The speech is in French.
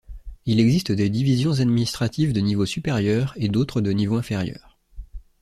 Il existe des divisions administratives de niveau supérieur et d'autres de niveau inférieur.